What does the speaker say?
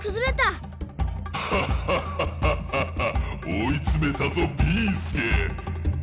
おいつめたぞビーすけ！